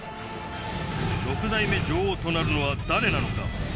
６代目女王となるのは誰なのか。